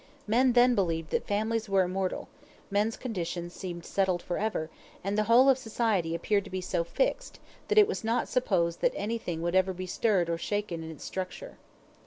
Men then believed that families were immortal; men's conditions seemed settled forever, and the whole of society appeared to be so fixed, that it was not supposed that anything would ever be stirred or shaken in its structure.